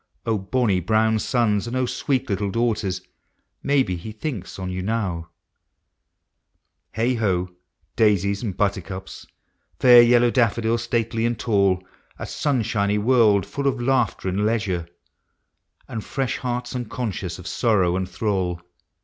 O bonny brown sons, and O sweet little daughters. Maybe he thinks on you now ! Heigh ho ! daisies and buttercups, Fair yellow daffodils, stately and tall — A sunshiny world full of laughter and leisure, And fresh hearts unconscious of sorrow and thrall